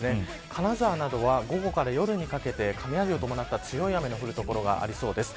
金沢などは、午後から夜にかけて雷を伴った強い雨が降る所がありそうです。